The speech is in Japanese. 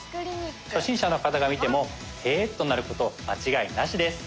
初心者の方が見ても「へぇ」となること間違いなしです。